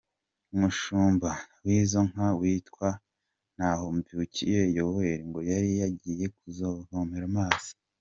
Umushumba w’izo nka witwa Ntahomvukiye Yoweli ngo yari yagiye kuzivomera amazi.